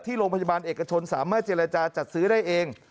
โรงพยาบาลเอกชนสามารถเจรจาจัดซื้อได้เอง